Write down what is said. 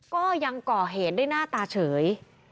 ก็ยังก่อเหตุได้หน้าตาเฉย